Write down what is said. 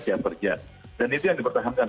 siap kerja dan itu yang dipertahankan